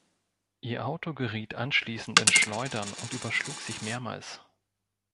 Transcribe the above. Ihr Auto geriet anschließend ins Schleudern und überschlug sich mehrmals.